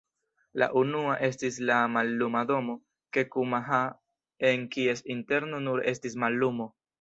La unua estis la Malluma Domo, Kekuma-ha, en kies interno nur estis mallumo".